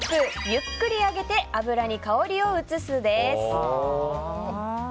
ゆっくり揚げて油に香りを移す。